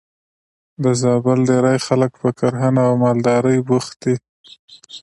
د زابل ډېری خلک په کرنه او مالدارۍ بوخت دي.